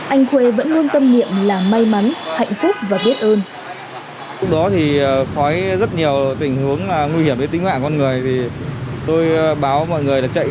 anh khuê vẫn luôn tâm niệm là may mắn hạnh phúc và biết ơn